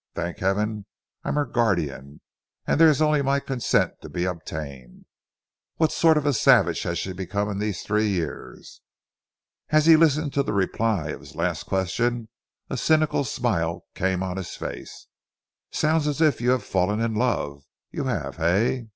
Thank heaven, I'm her guardian, and there's only my consent to be obtained. What sort of a savage has she become in these three years?" As he listened to the reply to his last question a cynical smile came on his face. "Sounds as if you had fallen in love!... You have, hey?